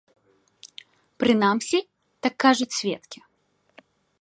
Прынамсі, так кажуць сведкі.